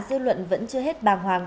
dư luận vẫn chưa hết bàng hoàng